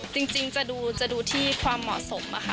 จริงจะดูที่ความเหมาะสมค่ะ